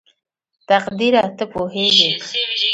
تقديره ته پوهېږې??